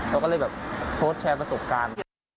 เราก็เลยแบบโพสต์แชร์ประสบการณ์